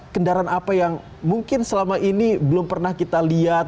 kendaraan apa yang mungkin selama ini belum pernah kita lihat